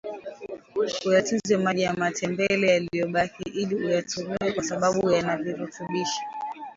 uyatunze maji ya matembele yaliyobaki ili uyatumie kwa sababu yana virutubishi